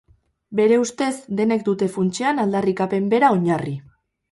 Bere ustez denek dute funtsean aldarrikapen bera oinarri.